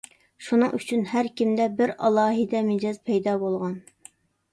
شۇنىڭ ئۈچۈن ھەر كىمدە بىر ئالاھىدە مىجەز پەيدا بولغان.